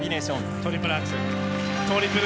トリプルアクセル。